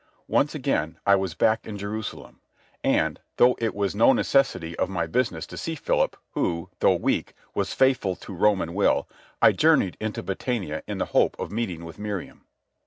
Once again I was back in Jerusalem, and, though it was no necessity of my business to see Philip, who, though weak, was faithful to Roman will, I journeyed into Batanæa in the hope of meeting with Miriam.